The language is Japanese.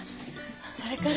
それから。